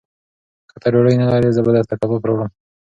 که ته ډوډۍ نه لرې، زه به درته کباب راوړم.